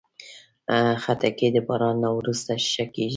خټکی د باران نه وروسته ښه کېږي.